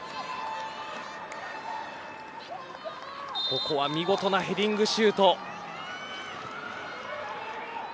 ここは見事なヘディングシュート。